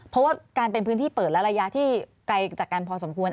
เพราะว่าการเป็นพื้นที่เปิดและระยะที่ไกลจากกันพอสมควร